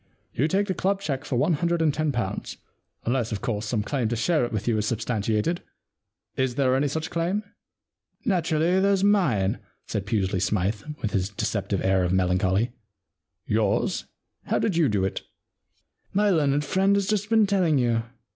You take the club cheque for one hundred and ten pounds, unless, of course, some claim to share it with you is substantiated. Is there any such claim ?Naturally, there's mine,* said Pusely Smythe, with his deceptive air of melancholy. * Yours ? How did you do it ?'* My learned friend has just been telling you.